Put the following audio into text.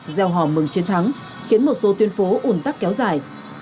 gieo họ mừng chiến thắng khiến một số tuyến phố ủn tắc kéo dài